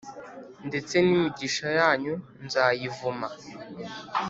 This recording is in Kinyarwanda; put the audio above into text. ndetse n’imigisha yanyu nzayivuma